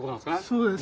そうです。